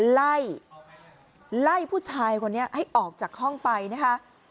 ไล่ไล่ผู้ชายคนนี้ให้ออกจากห้องไปนะคะ